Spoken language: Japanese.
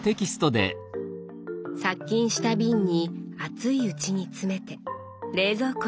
殺菌した瓶に熱いうちに詰めて冷蔵庫へ。